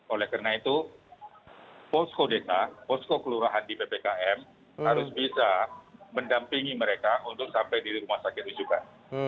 oleh karena itu posko desa posko kelurahan di ppkm harus bisa mendampingi mereka untuk sampai di rumah sakit rujukan